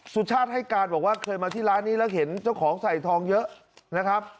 สุชาติให้การบอกว่าเคยมาที่ร้านนี้แล้วเห็นเจ้าของใส่ทองเยอะนะครับ